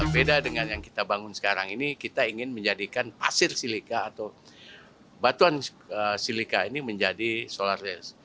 beda dengan yang kita bangun sekarang ini kita ingin menjadikan pasir silika atau batuan silika ini menjadi solares